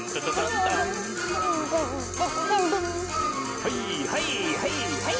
はいはいはいはい！